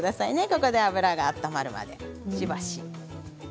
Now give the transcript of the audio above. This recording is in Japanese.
ここで油が温まるまで、しばし。